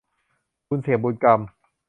เสี่ยงบุญเสี่ยงกรรม